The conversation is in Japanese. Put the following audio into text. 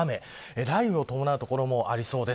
雷雨を伴う所もありそうです。